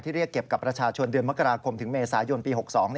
เรียกเก็บกับประชาชนเดือนมกราคมถึงเมษายนปี๖๒